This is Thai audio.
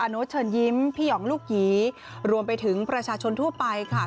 โน๊ตเชิญยิ้มพี่หองลูกหยีรวมไปถึงประชาชนทั่วไปค่ะ